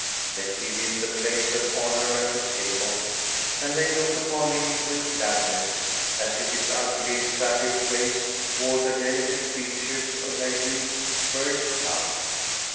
They give him the place of honor at the table, and they look upon him with gladness, as if his ugly satyr face wore the delicate features of their youth's first love.